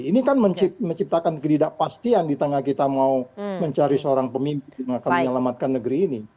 ini kan menciptakan ketidakpastian di tengah kita mau mencari seorang pemimpin yang akan menyelamatkan negeri ini